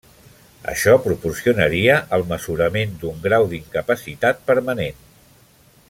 Això proporcionaria el mesurament d'un grau d'incapacitat permanent.